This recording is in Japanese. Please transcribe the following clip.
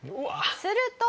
すると。